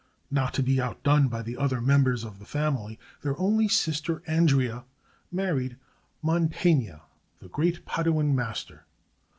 Not to be outdone by the other members of the family, their only sister Andrea married Mantegna, the great Paduan master.